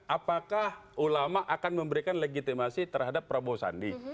apakah ulama akan memberikan legitimasi terhadap prabowo sandi